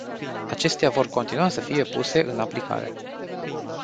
Acestea vor continua să fie puse în aplicare.